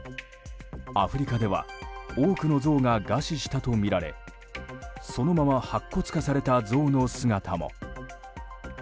アフリカでは多くのゾウが餓死したとみられそのまま白骨化されたゾウの姿も。